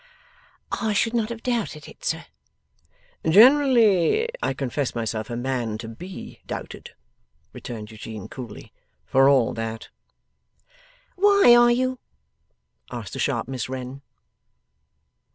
'I should not have doubted it, sir.' 'Generally, I confess myself a man to be doubted,' returned Eugene, coolly, 'for all that.' 'Why are you?' asked the sharp Miss Wren.